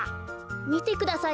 みてください